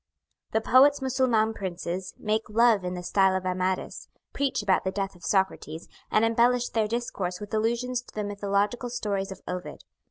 The poet's Mussulman princes make love in the style of Amadis, preach about the death of Socrates, and embellish their discourse with allusions to the mythological stories of Ovid.